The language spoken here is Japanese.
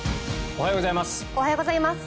おはようございます。